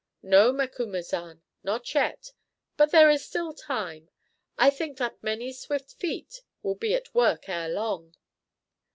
"No, Macumazahn, not yet; but there is still time. I think that many swift feet will be at work ere long."